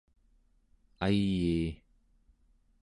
ayii!